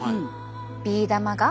ビー玉が。